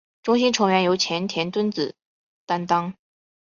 中心成员由前田敦子担当。